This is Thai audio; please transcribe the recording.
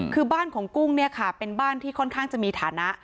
คือบ้านของกุ้งเนี่ยค่ะเป็นบ้านที่ค่อนข้างจะมีฐานะ